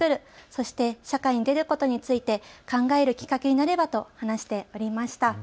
そして社会に出ることについて考えるきっかけになればと話していました。